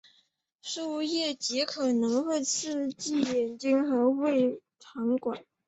树液亦可能会刺激眼睛及胃肠管。